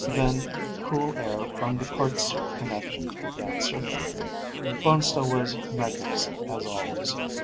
Then cool air from the cart suit connections began circulating. Bonestell was magnificent, as always.